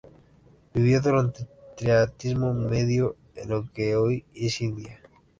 Vivió durante el Triásico medio en lo que hoy es la India.